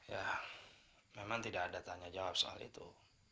ya memang tidak ada tanya jawab soal itu